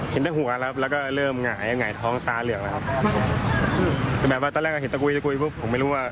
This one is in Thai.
แล้วพี่จะอยู่บนมาให้เค้าอุ้มแอวรากค้าเพราะว่าเค้าอยู่ไกล